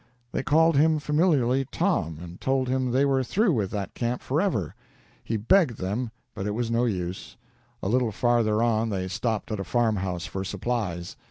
They called him familiarly "Tom," and told him they were through with that camp forever. He begged them, but it was no use. A little farther on they stopped at a farm house for supplies.